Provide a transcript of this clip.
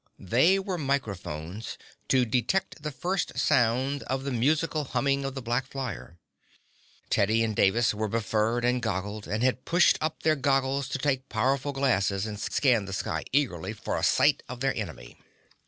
They were microphones to detect the first sound of the musical humming of the black flyer. Teddy and Davis were befurred and goggled, but had pushed up their goggles to take powerful glasses and scan the sky eagerly for a sight of their enemy.